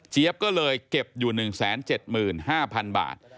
ก็เลยเก็บอยู่๑๗๕๐๐๐บาท